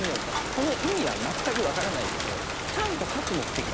この意味は全く分からないけどちゃんと勝つ目的で打ってるんで。